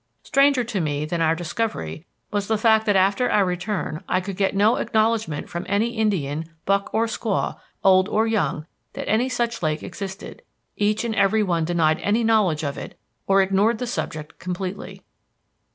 Stranger to me than our discovery was the fact that after our return I could get no acknowledgment from any Indian, buck or squaw, old or young, that any such lake existed; each and every one denied any knowledge of it, or ignored the subject completely."